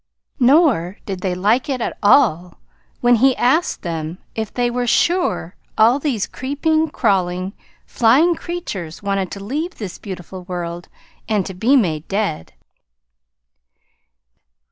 Nor did they like it at all when he asked them if they were sure all these creeping, crawling, flying creatures wanted to leave this beautiful world and to be made dead.